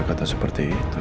kita harus bisa akan